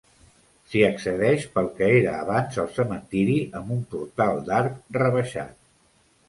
S'hi accedeix pel que era abans el cementiri amb un portal d'arc rebaixat.